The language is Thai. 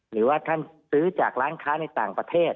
หรือว่าท่านซื้อจากร้านค้าในต่างประเทศ